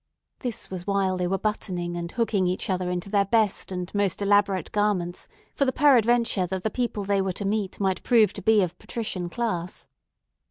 This was while they were buttoning and hooking each other into their best and most elaborate garments for the peradventure that the people they were to meet might prove to be of patrician class.